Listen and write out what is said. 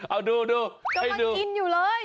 เอาดูกำลังกินอยู่เลย